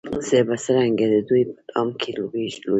زه به څرنګه د دوی په دام کي لوېږم